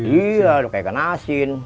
iya kayak kena asin